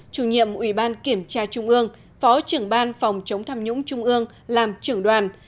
chủ nhiệm ủy ban kiểm tra trung ương phó trưởng ban phòng chống tham nhũng trung ương làm trưởng đoàn